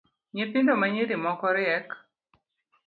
Nyithindo manyiri moko riek